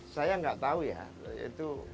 saya gak tau ya itu